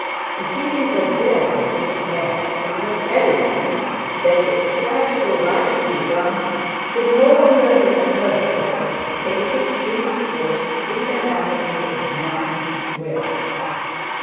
A feeling of dread was in the air. It was evident that the affair so lightly begun could no longer be averted but was taking its course independently of men's will.